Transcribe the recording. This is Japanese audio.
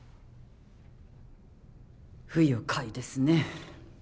不愉快ですね。